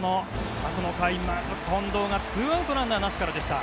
近藤が２アウトランナーなしからでした。